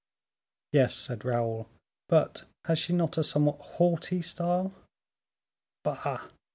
"Yes," said Raoul, "but has she not a somewhat haughty style?" "Bah!